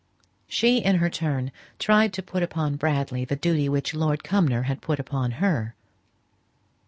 She in her turn tried to put upon Bradley the duty which Lord Cumnor had put upon her.